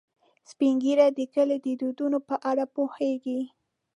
سپین ږیری د کلي د دودونو په اړه پوهیږي